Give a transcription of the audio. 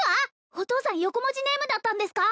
お父さん横文字ネームだったんですか？